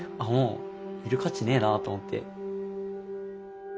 「もういる価値ねえな」と思って。